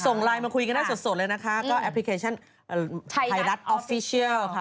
ส่งไลน์มาคุยกันได้สดเลยนะคะก็แอปพลิเคชันไทยรัฐออฟฟิเชียลค่ะ